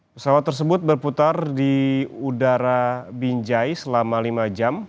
pesawat tersebut berputar di udara binjai selama lima jam